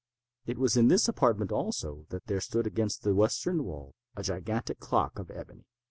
It was in this apartment, also, that there stood against the western wall, a gigantic clock of ebony.